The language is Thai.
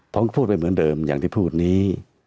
ผมก็พูดไปเหมือนเดิมอย่างที่พูดนี้